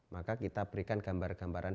maka kita berikan gambar gambaran